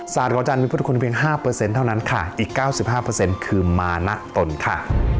สะอาดของอาจารย์มีผู้ทุกคนเท่านั้นเพียง๕อีก๙๕คือมานะตนค่ะ